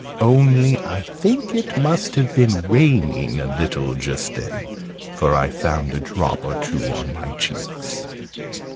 Only I think it must have been raining a little just then, for I found a drop or two on my cheeks.